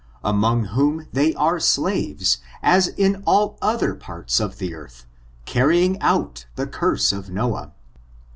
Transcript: among whom they are slaves, as in all other parts of the earth, carrying out the curse of Noah.